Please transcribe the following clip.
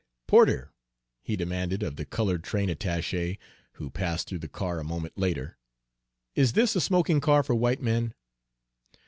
"Porter," he demanded of the colored train attaché who passed through the car a moment later, "is this a smoking car for white men?"